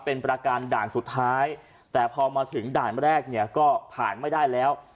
เป็นประการด่านสุดท้ายแต่พอมาถึงด่านแรกเนี่ยก็ผ่านไม่ได้แล้ว